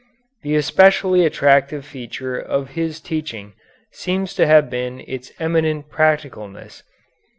The especially attractive feature of his teaching seems to have been its eminent practicalness.